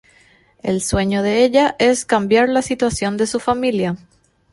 El sueño de ella es cambiar la situación de su familia.